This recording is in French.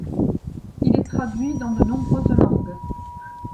Il est traduit dans de nombreuses langues.